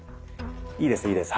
いいですいいです。